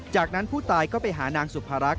จากนั้นผู้ตายก็ไปหานางสุภารักษ